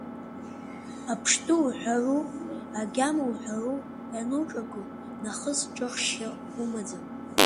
Аԥштәы уҳәару, агьама уҳәару, иануҿаку нахыс ҿыхшьа умаӡам.